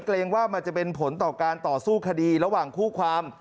เกรงว่ามันจะเป็นผลต่อการต่อสู้คดีระหว่างคู่ความ